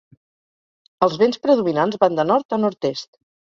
Els vents predominants van de nord a nord-est.